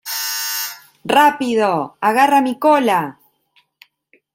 ¡ Rápido! ¡ agarra mi cola !